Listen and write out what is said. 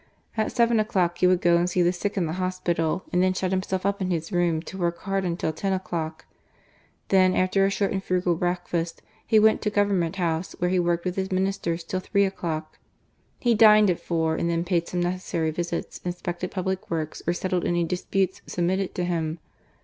At seven o'clock he would go and see the sick in the hospital, and then shut himself up in his room to work hard until ten o'clock. Then, after a short and frugal breakfast, he went to Government House where he worked with his Ministers till three o'clock. He dined at four, and then paid some necessary visits, inspected public works, or settled any disputes submitted to him.